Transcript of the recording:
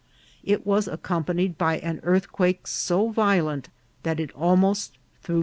It was accompanied by an earthquake so violent that it almost threw Mr. S.